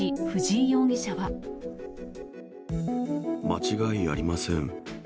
間違いありません。